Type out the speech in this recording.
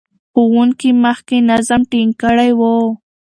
ښوونکي مخکې نظم ټینګ کړی و.